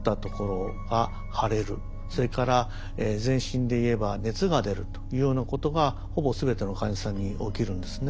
それから全身で言えば熱が出るというようなことがほぼ全ての患者さんに起きるんですね。